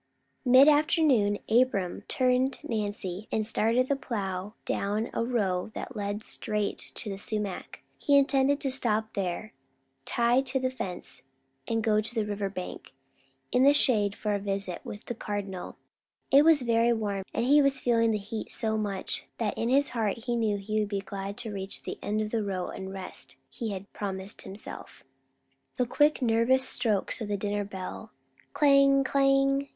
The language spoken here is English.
Mid afternoon Abram turned Nancy and started the plow down a row that led straight to the sumac. He intended to stop there, tie to the fence, and go to the river bank, in the shade, for a visit with the Cardinal. It was very warm, and he was feeling the heat so much, that in his heart he knew he would be glad to reach the end of the row and the rest he had promised himself. The quick nervous strokes of the dinner bell, "Clang! Clang!"